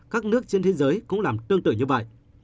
các nước trên thế giới cũng làm tương tự như vậy